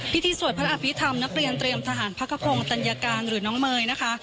พิธีสวดพระอภิษฐรรมนักเรียนเตรียมทหารพักขพงศ์ตัญญาการหรือน้องเมย์นะคะ